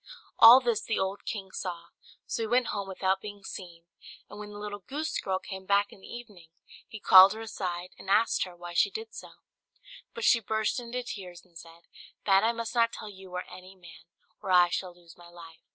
All this the old king saw: so he went home without being seen; and when the little goose girl came back in the evening, he called her aside, and asked her why she did so: but she burst into tears, and said, "That I must not tell you or any man, or I shall lose my life."